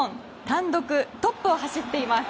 単独トップを走っています。